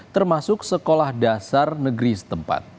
termasuk sekolah dasar negeri setempat